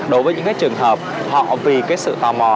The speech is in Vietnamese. đối với những cái trường hợp họ vì cái sự tò mò